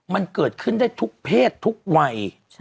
มันเกิดขึ้นได้ทุกเพศทุกวัย